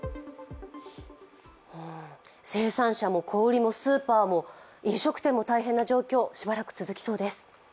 生産者も小売もスーパーも飲食店も大変な状況しばらく続きそうです。